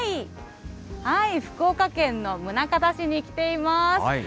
福岡県の宗像市に来ています。